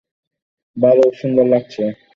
ভালো, সুন্দর লাগছে।